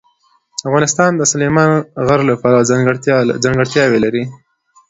افغانستان د سلیمان غر پلوه ځانګړتیاوې لري.